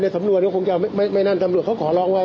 เรื่องภายในสำรวจก็คงจะแม่นั่นสำรวจเขาขอร้องไว้